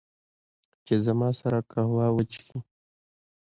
چې، زما سره قهوه وچښي